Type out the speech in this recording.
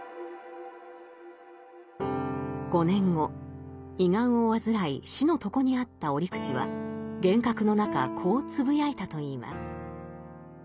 ５年後胃がんを患い死の床にあった折口は幻覚の中こうつぶやいたといいます。